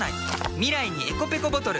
未来にｅｃｏペコボトル。